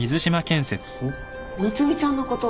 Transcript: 夏海ちゃんのこと。